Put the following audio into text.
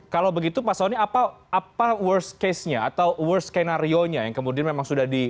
kalau begitu pak soni apa worst case nya atau worst skenario nya yang kemudian memang sudah di